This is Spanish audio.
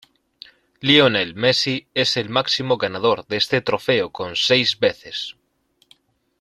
Lionel Messi es el máximo ganador de este trofeo con seis veces.